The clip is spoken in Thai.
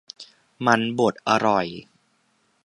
มันบดอร่อย